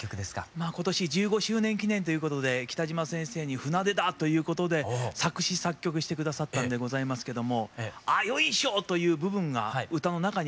まあ今年１５周年記念ということで北島先生に「船出だ」ということで作詞・作曲して下さったんでございますけども「アーヨイショ」という部分が歌の中にあります。